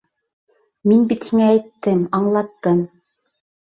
Мин бит һиңә әйттем, аңлаттым!